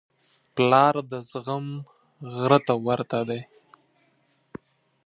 پلار د زغم غره ته ورته دی.